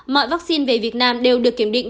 mọi vaccine về việt nam đều được kiểm định